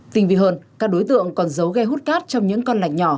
tình vì hơn các đối tượng còn giấu ghe hút cát trong những con lạch nhỏ